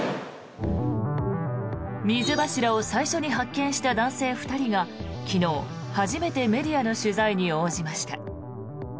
水柱を最初に発見した男性２人が昨日、初めてメディアの取材に応じました。